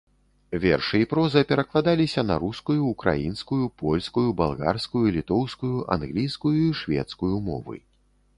Вершы і проза перакладаліся на рускую, украінскую, польскую, балгарскую, літоўскую, англійскую і шведскую мовы.